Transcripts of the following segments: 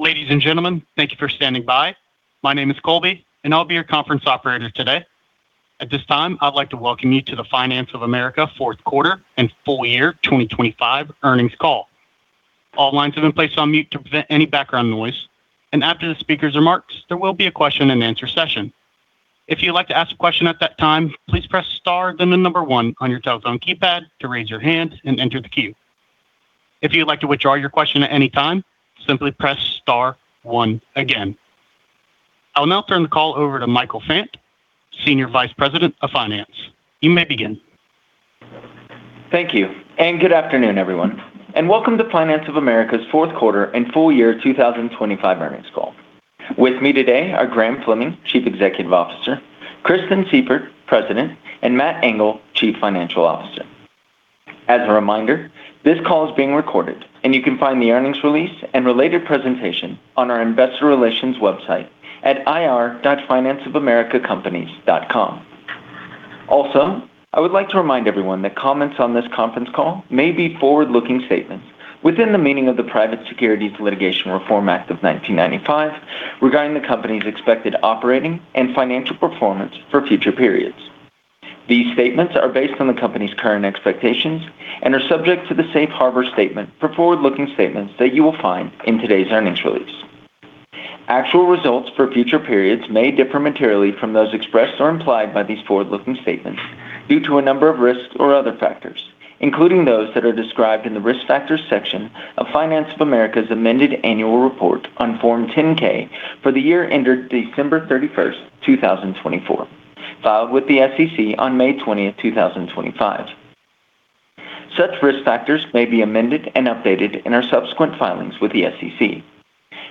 Ladies and gentlemen, thank you for standing by. My name is Colby and I'll be your conference operator today. At this time, I'd like to welcome you to the Finance of America fourth quarter and full year 2025 earnings call. All lines have been placed on mute to prevent any background noise, and after the speaker's remarks, there will be a question and answer session. If you'd like to ask a question at that time, please press star then the number one on your telephone keypad to raise your hand and enter the queue. If you'd like to withdraw your question at any time, simply press star one again. I will now turn the call over to Michael Fant, Senior Vice President of Finance. You may begin. Thank you. Good afternoon, everyone, and welcome to Finance of America's fourth quarter and full year 2025 earnings call. With me today are Graham Fleming, Chief Executive Officer, Kristen Sieffert, President, and Matt Engel, Chief Financial Officer. As a reminder, this call is being recorded and you can find the earnings release and related presentation on our investor relations website at ir.financeofamerica.com. I would like to remind everyone that comments on this conference call may be forward-looking statements within the meaning of the Private Securities Litigation Reform Act of 1995 regarding the company's expected operating and financial performance for future periods. These statements are based on the company's current expectations and are subject to the safe harbor statement for forward-looking statements that you will find in today's earnings release. Actual results for future periods may differ materially from those expressed or implied by these forward-looking statements due to a number of risks or other factors, including those that are described in the Risk Factors section of Finance of America's amended annual report on Form 10-K for the year ended December 31st, 2024 filed with the SEC on May 20th, 2025. Such risk factors may be amended and updated in our subsequent filings with the SEC.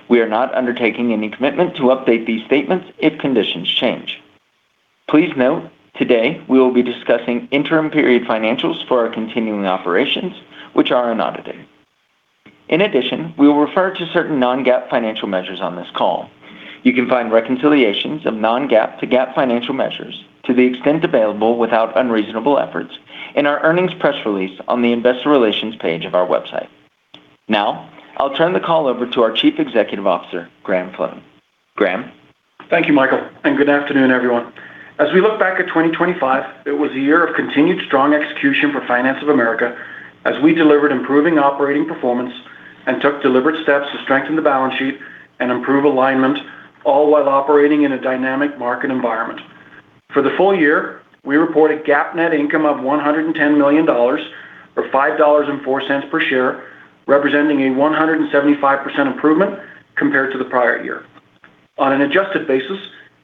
We are not undertaking any commitment to update these statements if conditions change. Please note, today we will be discussing interim period financials for our continuing operations which are unaudited. In addition, we will refer to certain non-GAAP financial measures on this call. You can find reconciliations of non-GAAP to GAAP financial measures to the extent available without unreasonable efforts in our earnings press release on the investor relations page of our website. Now, I'll turn the call over to our Chief Executive Officer, Graham Fleming. Graham? Thank you, Michael, and good afternoon, everyone. As we look back at 2025, it was a year of continued strong execution for Finance of America as we delivered improving operating performance and took deliberate steps to strengthen the balance sheet and improve alignment, all while operating in a dynamic market environment. For the full year, we reported GAAP net income of $110 million, or $5.04 per share, representing a 175% improvement compared to the prior year. On an adjusted basis,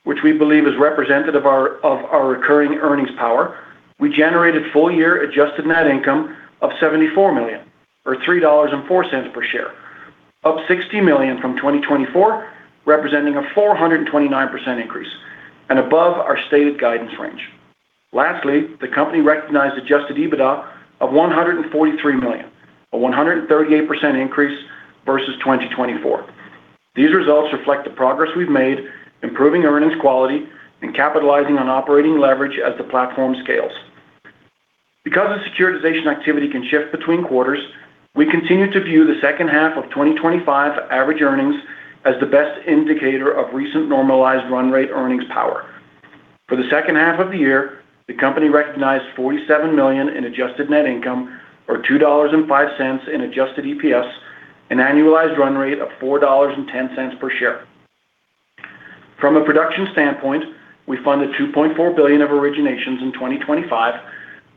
which we believe is representative of our recurring earnings power, we generated full year adjusted net income of $74 million or $3.04 per share. Up $60 million from 2024, representing a 429% increase and above our stated guidance range. Lastly, the company recognized Adjusted EBITDA of $143 million, a 138% increase versus 2024. These results reflect the progress we've made improving earnings quality and capitalizing on operating leverage as the platform scales. Because the securitization activity can shift between quarters, we continue to view the second half of 2025 average earnings as the best indicator of recent normalized run rate earnings power. For the second half of the year, the company recognized $47 million in Adjusted Net Income or $2.05 in Adjusted EPS, an annualized run rate of $4.10 per share. From a production standpoint, we funded $2.4 billion of originations in 2025,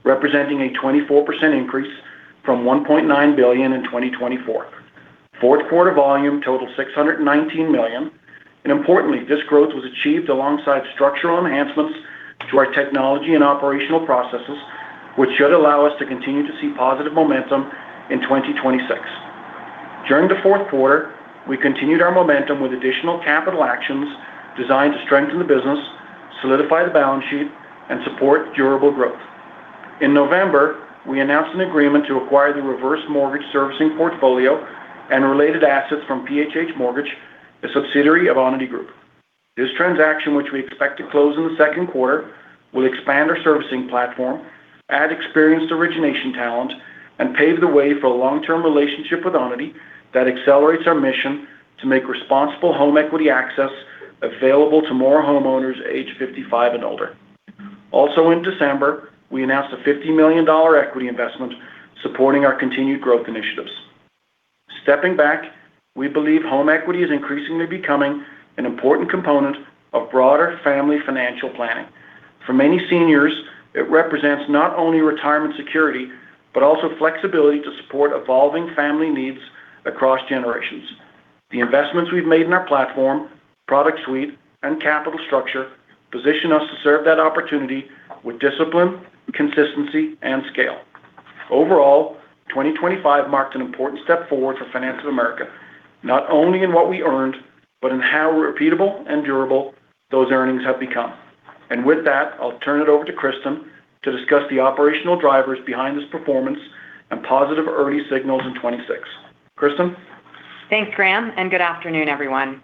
representing a 24% increase from $1.9 billion in 2024. Fourth quarter volume totaled $619 million, and importantly, this growth was achieved alongside structural enhancements to our technology and operational processes, which should allow us to continue to see positive momentum in 2026. During the fourth quarter, we continued our momentum with additional capital actions designed to strengthen the business, solidify the balance sheet and support durable growth. In November, we announced an agreement to acquire the reverse mortgage servicing portfolio and related assets from PHH Mortgage, a subsidiary of Onity Group. This transaction, which we expect to close in the second quarter, will expand our servicing platform, add experienced origination talent, and pave the way for a long-term relationship with Onity that accelerates our mission to make responsible home equity access available to more homeowners age 55 and older. Also in December, we announced a $50 million equity investment supporting our continued growth initiatives. Stepping back, we believe home equity is increasingly becoming an important component of broader family financial planning. For many seniors, it represents not only retirement security, but also flexibility to support evolving family needs across generations. The investments we've made in our platform, product suite and capital structure position us to serve that opportunity with discipline, consistency and scale. Overall, 2025 marked an important step forward for Finance of America, not only in what we earned, but in how repeatable and durable those earnings have become. With that, I'll turn it over to Kristen to discuss the operational drivers behind this performance and positive early signals in 2026. Kristen? Thanks, Graham, and good afternoon, everyone.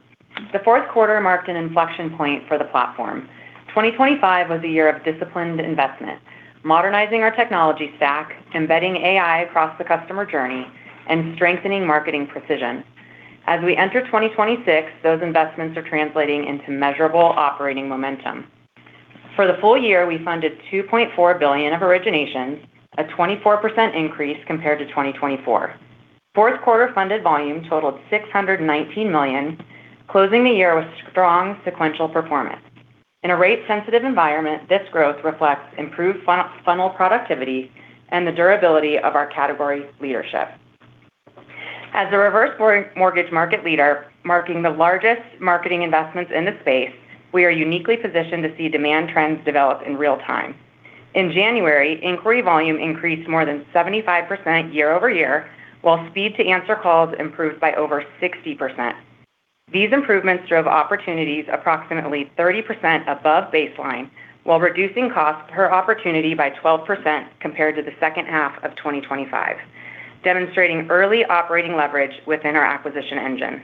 The fourth quarter marked an inflection point for the platform. 2025 was a year of disciplined investment, modernizing our technology stack, embedding AI across the customer journey, and strengthening marketing precision. As we enter 2026, those investments are translating into measurable operating momentum. For the full year, we funded $2.4 billion of originations, a 24% increase compared to 2024. Fourth quarter funded volume totaled $619 million, closing the year with strong sequential performance. In a rate-sensitive environment, this growth reflects improved full-funnel productivity and the durability of our category leadership. As a reverse mortgage market leader, marking the largest marketing investments in the space, we are uniquely positioned to see demand trends develop in real time. In January, inquiry volume increased more than 75% year-over-year, while speed to answer calls improved by over 60%. These improvements drove opportunities approximately 30% above baseline while reducing costs per opportunity by 12% compared to the second half of 2025, demonstrating early operating leverage within our acquisition engine.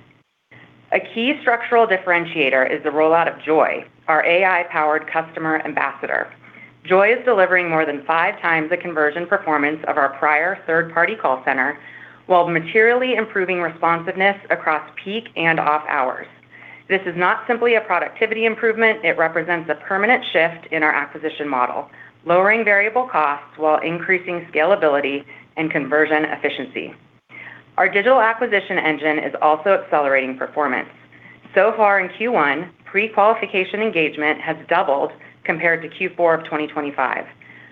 A key structural differentiator is the rollout of Joy, our AI-powered customer ambassador. Joy is delivering more than 5x the conversion performance of our prior third-party call center while materially improving responsiveness across peak and off hours. This is not simply a productivity improvement, it represents a permanent shift in our acquisition model, lowering variable costs while increasing scalability and conversion efficiency. Our digital acquisition engine is also accelerating performance. So far in Q1, pre-qualification engagement has doubled compared to Q4 of 2025.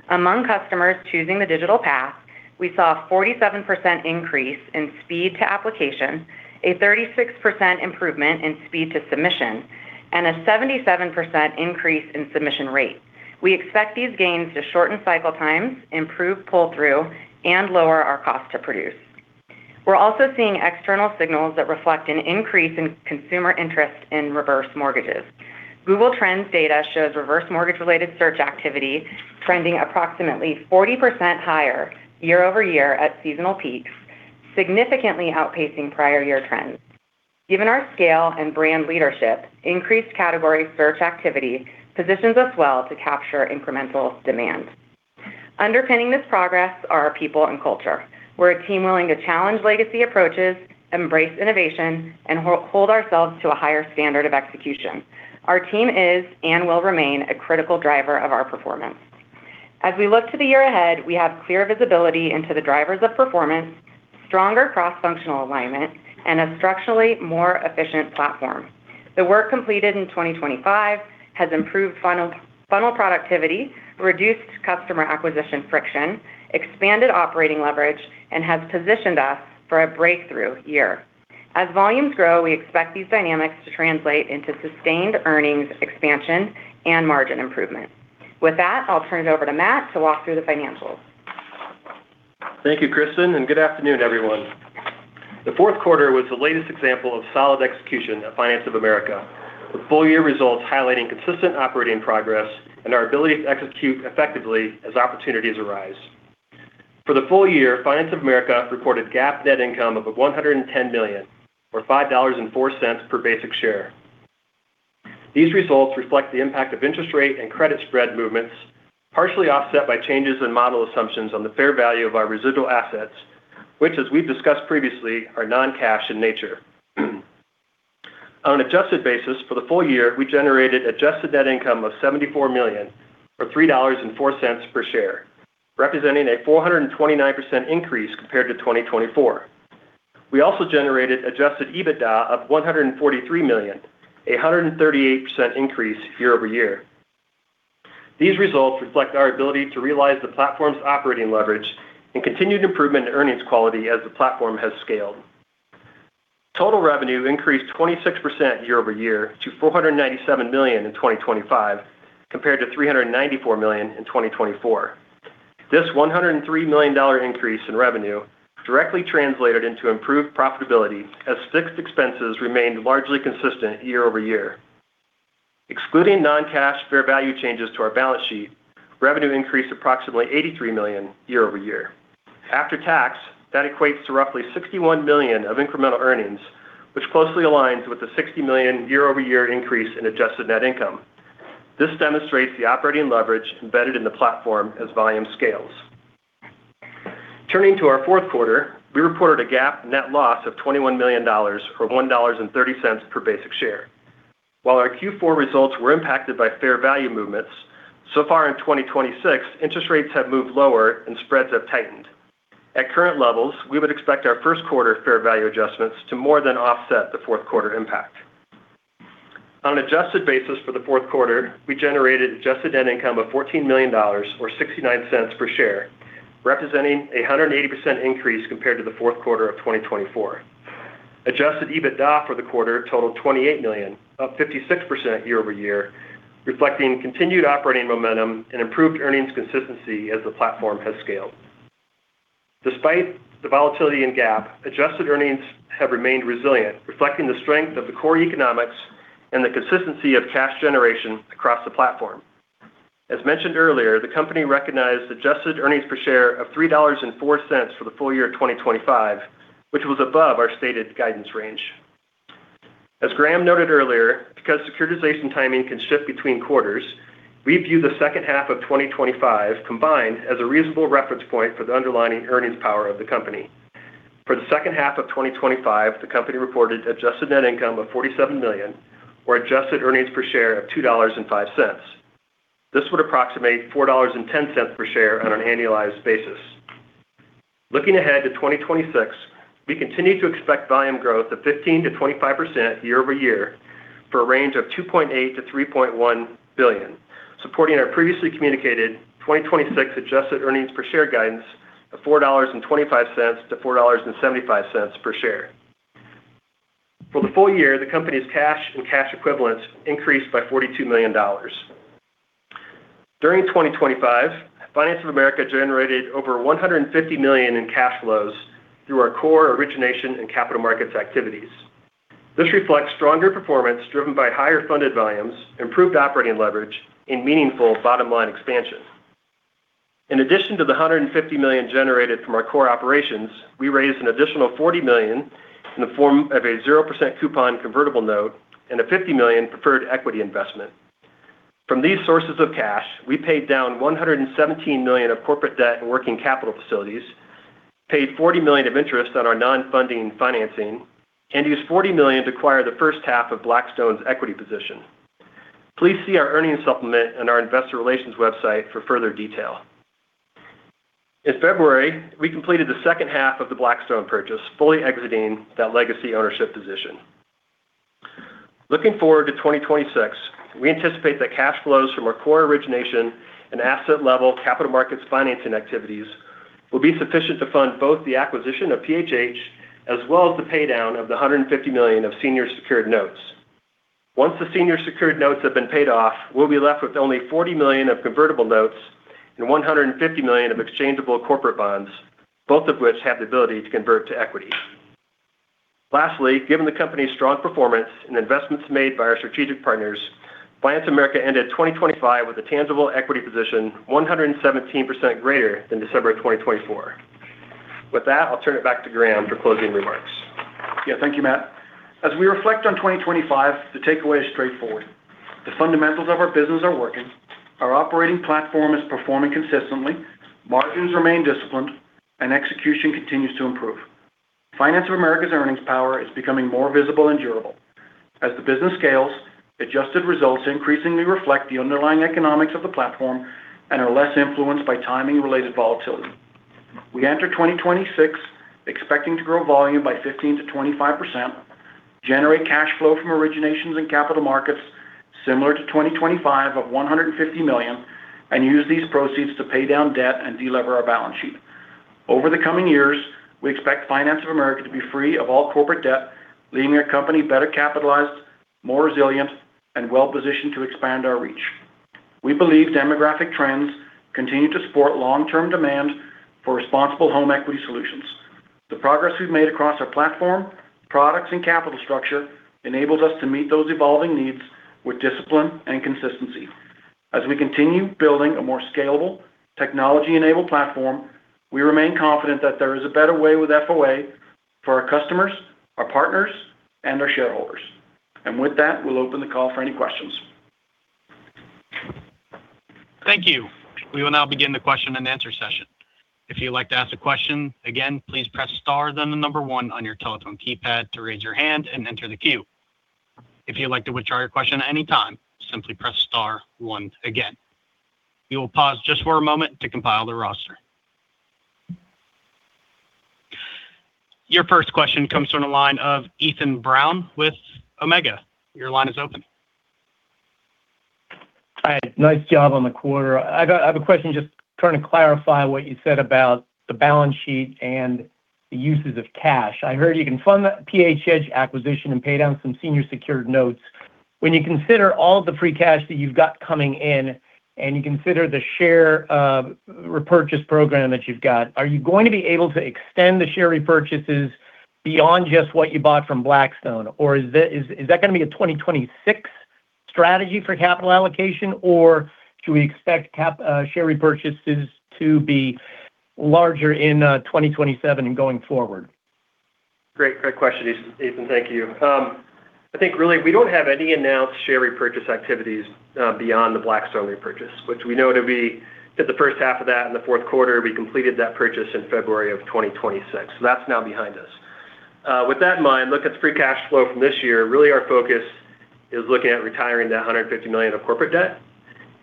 Among customers choosing the digital path, we saw a 47% increase in speed to application, a 36% improvement in speed to submission, and a 77% increase in submission rate. We expect these gains to shorten cycle times, improve pull-through, and lower our cost to produce. We're also seeing external signals that reflect an increase in consumer interest in reverse mortgages. Google Trends data shows reverse mortgage-related search activity trending approximately 40% higher year-over-year at seasonal peaks, significantly outpacing prior year trends. Given our scale and brand leadership, increased category search activity positions us well to capture incremental demand. Underpinning this progress are our people and culture. We're a team willing to challenge legacy approaches, embrace innovation, and hold ourselves to a higher standard of execution. Our team is and will remain a critical driver of our performance. As we look to the year ahead, we have clear visibility into the drivers of performance, stronger cross-functional alignment, and a structurally more efficient platform. The work completed in 2025 has improved funnel productivity, reduced customer acquisition friction, expanded operating leverage, and has positioned us for a breakthrough year. As volumes grow, we expect these dynamics to translate into sustained earnings expansion and margin improvement. With that, I'll turn it over to Matt to walk through the financials. Thank you, Kristen, and good afternoon, everyone. The fourth quarter was the latest example of solid execution at Finance of America, with full-year results highlighting consistent operating progress and our ability to execute effectively as opportunities arise. For the full year, Finance of America reported GAAP net income of $110 million, or $5.04 per basic share. These results reflect the impact of interest rate and credit spread movements, partially offset by changes in model assumptions on the fair value of our residual assets, which, as we've discussed previously, are non-cash in nature. On an adjusted basis for the full year, we generated adjusted net income of $74 million, or $3.04 per share, representing a 429% increase compared to 2024. We also generated Adjusted EBITDA of $143 million, a 138% increase year-over-year. These results reflect our ability to realize the platform's operating leverage and continued improvement in earnings quality as the platform has scaled. Total revenue increased 26% year-over-year to $497 million in 2025, compared to $394 million in 2024. This $103 million increase in revenue directly translated into improved profitability as fixed expenses remained largely consistent year-over-year. Excluding non-cash fair value changes to our balance sheet, revenue increased approximately $83 million year-over-year. After tax, that equates to roughly $61 million of incremental earnings, which closely aligns with the $60 million year-over-year increase in Adjusted Net Income. This demonstrates the operating leverage embedded in the platform as volume scales. Turning to our fourth quarter, we reported a GAAP net loss of $21 million, or $1.30 per basic share. While our Q4 results were impacted by fair value movements, so far in 2026, interest rates have moved lower and spreads have tightened. At current levels, we would expect our first quarter fair value adjustments to more than offset the fourth quarter impact. On an adjusted basis for the fourth quarter, we generated adjusted net income of $14 million or $0.69 per share, representing a 180% increase compared to the fourth quarter of 2024. Adjusted EBITDA for the quarter totaled $28 million, up 56% year-over-year, reflecting continued operating momentum and improved earnings consistency as the platform has scaled. Despite the volatility in GAAP, adjusted earnings have remained resilient, reflecting the strength of the core economics and the consistency of cash generation across the platform. As mentioned earlier, the company recognized adjusted earnings per share of $3.04 for the full year of 2025, which was above our stated guidance range. As Graham noted earlier, because securitization timing can shift between quarters, we view the second half of 2025 combined as a reasonable reference point for the underlying earnings power of the company. For the second half of 2025, the company reported adjusted net income of $47 million or adjusted earnings per share of $2.05. This would approximate $4.10 per share on an annualized basis. Looking ahead to 2026, we continue to expect volume growth of 15%-25% year over year for a range of $2.8 billion-$3.1 billion, supporting our previously communicated 2026 adjusted earnings per share guidance of $4.25-$4.75 per share. For the full year, the company's cash and cash equivalents increased by $42 million. During 2025, Finance of America generated over $150 million in cash flows through our core origination and capital markets activities. This reflects stronger performance driven by higher funded volumes, improved operating leverage and meaningful bottom-line expansion. In addition to the $150 million generated from our core operations, we raised an additional $40 million in the form of a 0% coupon convertible note and a $50 million preferred equity investment. From these sources of cash, we paid down $117 million of corporate debt and working capital facilities, paid $40 million of interest on our non-funding financing, and used $40 million to acquire the first half of Blackstone's equity position. Please see our earnings supplement and our investor relations website for further detail. In February, we completed the second half of the Blackstone purchase, fully exiting that legacy ownership position. Looking forward to 2026, we anticipate that cash flows from our core origination and asset-level capital markets financing activities will be sufficient to fund both the acquisition of PHH, as well as the paydown of the $150 million of senior secured notes. Once the senior secured notes have been paid off, we'll be left with only $40 million of convertible notes and $150 million of exchangeable corporate bonds, both of which have the ability to convert to equity. Lastly, given the company's strong performance and investments made by our strategic partners, Finance of America ended 2025 with a tangible equity position 117% greater than December of 2024. With that, I'll turn it back to Graham for closing remarks. Yeah, thank you, Matt. As we reflect on 2025, the takeaway is straightforward. The fundamentals of our business are working. Our operating platform is performing consistently. Margins remain disciplined and execution continues to improve. Finance of America's earnings power is becoming more visible and durable. As the business scales, adjusted results increasingly reflect the underlying economics of the platform and are less influenced by timing-related volatility. We enter 2026 expecting to grow volume by 15%-25%, generate cash flow from originations and capital markets similar to 2025 of $150 million, and use these proceeds to pay down debt and delever our balance sheet. Over the coming years, we expect Finance of America to be free of all corporate debt, leaving our company better capitalized, more resilient, and well-positioned to expand our reach. We believe demographic trends continue to support long-term demand for responsible home equity solutions. The progress we've made across our platform, products, and capital structure enables us to meet those evolving needs with discipline and consistency. As we continue building a more scalable technology-enabled platform, we remain confident that there is a better way with FOA for our customers, our partners, and our shareholders. With that, we'll open the call for any questions. Thank you. We will now begin the question and answer session. If you'd like to ask a question, again, please press star then the number one on your telephone keypad to raise your hand and enter the queue. If you'd like to withdraw your question at any time, simply press star one again. We will pause just for a moment to compile the roster. Your first question comes from the line of Ethan Brown with Omega. Your line is open. Hi. Nice job on the quarter. I have a question just trying to clarify what you said about the balance sheet and the uses of cash. I heard you can fund the PHH acquisition and pay down some senior secured notes. When you consider all the free cash that you've got coming in and you consider the share repurchase program that you've got. Are you going to be able to extend the share repurchases beyond just what you bought from Blackstone? Or is that going to be a 2026 strategy for capital allocation, or should we expect capital share repurchases to be larger in 2027 and going forward? Great. Great question, Ethan. Thank you. I think really we don't have any announced share repurchase activities beyond the Blackstone repurchase, which we know we did the first half of that in the fourth quarter. We completed that purchase in February of 2026. That's now behind us. With that in mind, look at the free cash flow from this year. Really our focus is looking at retiring that $150 million of corporate debt.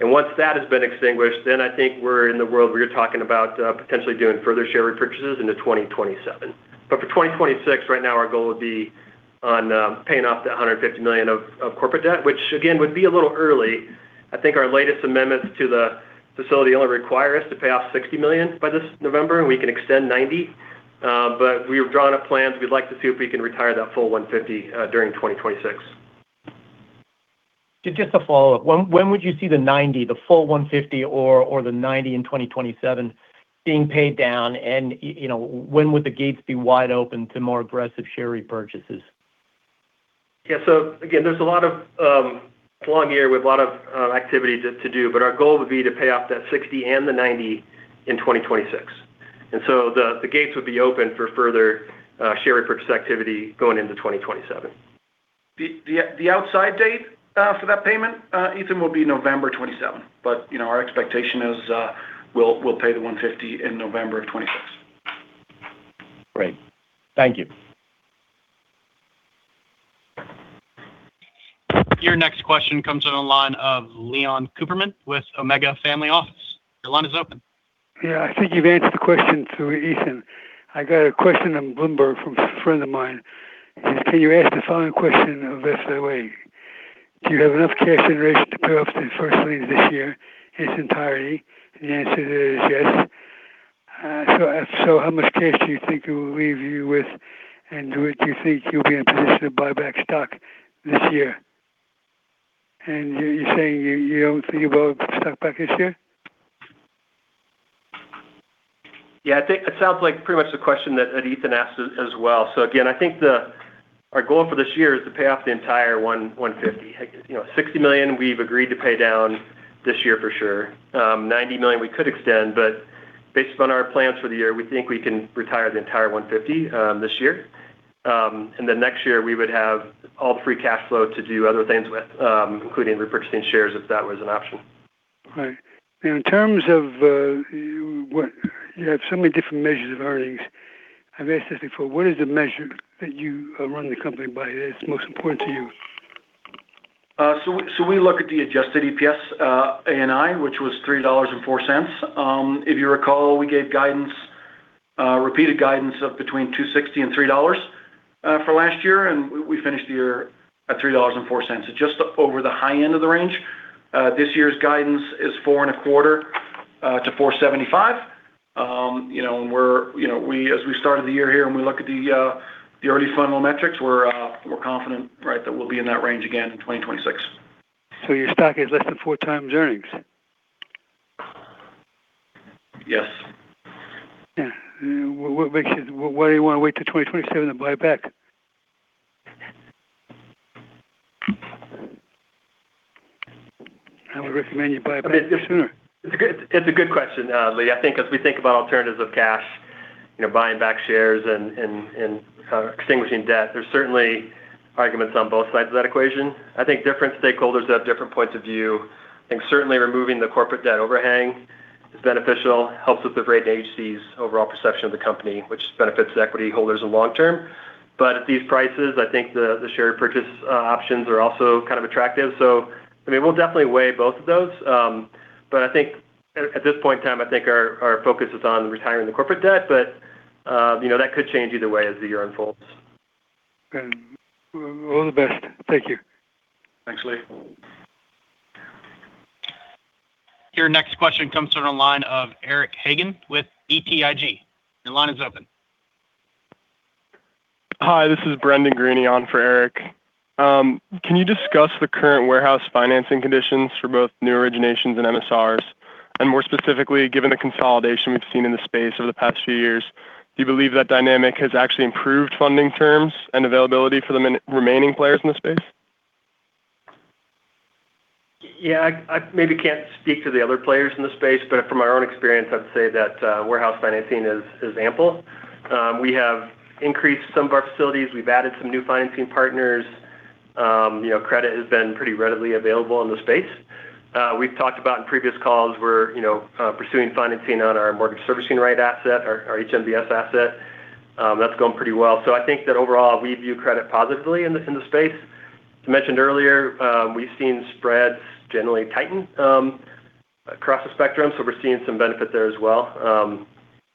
Once that has been extinguished, then I think we're in the world where you're talking about potentially doing further share repurchases into 2027. For 2026 right now our goal would be on paying off that $150 million of corporate debt, which again would be a little early. I think our latest amendments to the facility only require us to pay off $60 million by this November, and we can extend $90. We have drawn up plans. We'd like to see if we can retire that full $150 during 2026. Just a follow-up. When would you see the $90, the full $150 or the $90 in 2027 being paid down? You know, when would the gates be wide open to more aggressive share repurchases? Yeah. Again, there's a lot of long year with a lot of activity to do. Our goal would be to pay off that $60 and the $90 in 2026. The gates would be open for further share repurchase activity going into 2027. The outside date for that payment, Ethan, will be November 27th. You know, our expectation is, we'll pay the $150 in November of 2026. Great. Thank you. Your next question comes on the line of Leon Cooperman with Omega Family Office. Your line is open. Yeah. I think you've answered the question through Ethan. I got a question on Bloomberg from a friend of mine. He says, "Can you ask the following question of [Vesta], Leon? Do you have enough cash generation to pay off the first lien this year in its entirety?" The answer is yes. So how much cash do you think it will leave you with, and do you think you'll be in position to buy back stock this year? You're saying you don't think you'll buy stock back this year? Yeah. I think that sounds like pretty much the question that Ethan asked as well. Again, I think our goal for this year is to pay off the entire $150 million. You know, $60 million we've agreed to pay down this year for sure. $90 million we could extend, but based on our plans for the year, we think we can retire the entire $150 million this year. Then next year we would have all free cash flow to do other things with, including repurchasing shares if that was an option. Right. In terms of, you have so many different measures of earnings. I've asked this before. What is the measure that you run the company by that's most important to you? We look at the Adjusted EPS, ANI, which was $3.04. If you recall, we gave guidance, repeated guidance of between $2.60 and $3.00 for last year. We finished the year at $3.04. Just over the high end of the range. This year's guidance is $4.25-$4.75. You know, as we started the year here and we look at the early fundamental metrics, we're confident, right, that we'll be in that range again in 2026. Your stock is less than 4x earnings? Yes. Yeah. Why do you wanna wait till 2027 to buy it back? I would recommend you buy it back sooner. It's a good question, Leon. I think as we think about alternatives for cash, you know, buying back shares and extinguishing debt, there's certainly arguments on both sides of that equation. I think different stakeholders have different points of view. I think certainly removing the corporate debt overhang is beneficial, helps with the rating agencies overall perception of the company, which benefits the equity holders in long term. At these prices, I think the share repurchase options are also kind of attractive. I mean, we'll definitely weigh both of those. I think at this point in time, I think our focus is on retiring the corporate debt. You know, that could change either way as the year unfolds. Good. Well, all the best. Thank you. Thanks, Leon. Your next question comes from the line of Eric Hagen with BTIG. Your line is open. Hi, this is Brendan Greaney on for Eric. Can you discuss the current warehouse financing conditions for both new originations and MSRs? More specifically, given the consolidation we've seen in the space over the past few years, do you believe that dynamic has actually improved funding terms and availability for the main remaining players in the space? Yeah. I maybe can't speak to the other players in the space, but from our own experience, I'd say that warehouse financing is ample. We have increased some of our facilities. We've added some new financing partners. You know, credit has been pretty readily available in the space. We've talked about in previous calls, we're you know pursuing financing on our mortgage servicing right asset, our HMBS asset. That's going pretty well. I think that overall, we view credit positively in the space. As mentioned earlier, we've seen spreads generally tighten across the spectrum, so we're seeing some benefit there as well.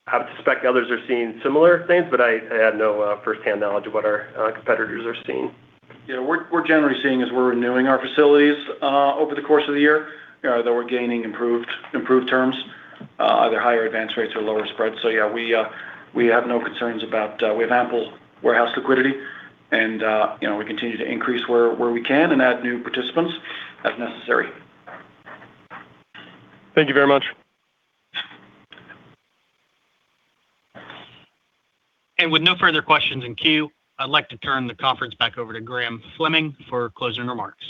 I would suspect others are seeing similar things, but I have no firsthand knowledge of what our competitors are seeing. Yeah, we're generally seeing as we're renewing our facilities over the course of the year that we're gaining improved terms either higher advanced rates or lower spreads. Yeah, we have no concerns about. We have ample warehouse liquidity and, you know, we continue to increase where we can and add new participants as necessary. Thank you very much. With no further questions in queue, I'd like to turn the conference back over to Graham Fleming for closing remarks.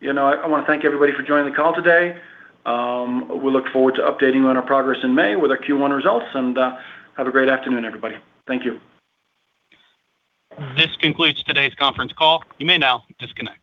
You know, I wanna thank everybody for joining the call today. We look forward to updating you on our progress in May with our Q1 results. Have a great afternoon, everybody. Thank you. This concludes today's conference call. You may now disconnect.